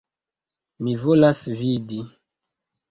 Mi volas vidi.